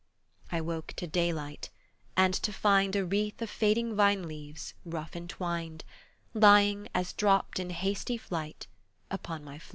I woke to daylight, and to find A wreath of fading vine leaves, rough entwined, Lying, as dropped in hasty flight, upon my floor.